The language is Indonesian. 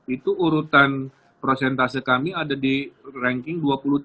itu urutan prosentase kami ada di ranking dua puluh tiga